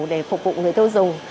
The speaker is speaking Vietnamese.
để phục vụ người tiêu dùng